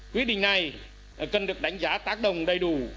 quy định này cần được đánh giá tác động đầy đủ